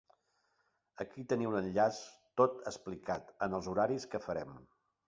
Aquí teniu l'enllaç tot explicat, amb els horaris que farem.